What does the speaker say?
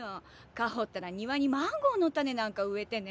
香歩ったら庭にマンゴーの種なんか植えてね。